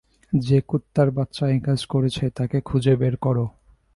যে কুত্তার বাচ্চা একাজ করেছে তাকে খুঁজে বের করো।